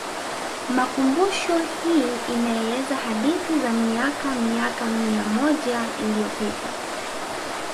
Makumbusho hii inaeleza hadithi za miaka miaka mia moja iliyopita